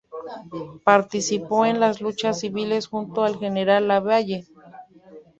Participó en las luchas civiles junto al general Lavalle.